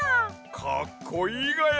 かっこいいがや！